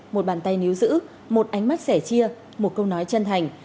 một bàn tay níu giữ một ánh mắt sẻ chia một câu nói chân thành